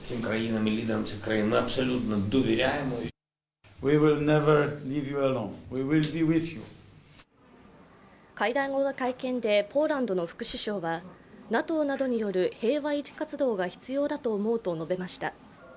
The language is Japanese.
会談後の会見でポーランドの副首相はＮＡＴＯなどによる平和維持活動が必要だと思うと述べました。